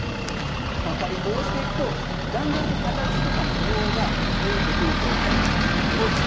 こうしていくとだんだんと形とか模様が見えてくると思います。